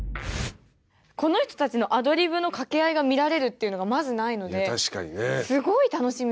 この人たちのアドリブの掛け合いが見られるっていうのがまずないのですごい楽しみです。